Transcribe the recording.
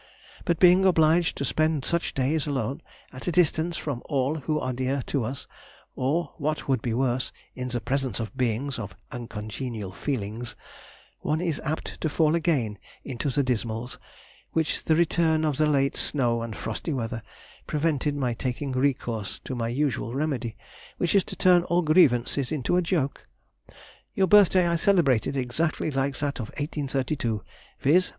But being obliged to spend such days alone, at a distance from all who are dear to us; or, what would be worse, in the presence of beings of uncongenial feelings, one is apt to fall again into the dismals, which the return of the late snow and frosty weather prevented my taking recourse to my usual remedy, which is to turn all grievances into a joke. Your birthday I celebrated exactly like that of 1832, viz.